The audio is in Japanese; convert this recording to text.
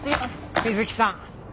水木さん。